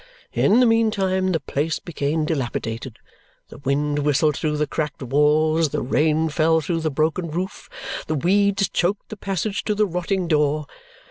In the meantime, the place became dilapidated, the wind whistled through the cracked walls, the rain fell through the broken roof, the weeds choked the passage to the rotting door.